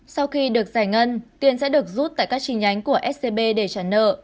sau khi được giải ngân tiền sẽ được rút tại các chi nhánh của scb để trả nợ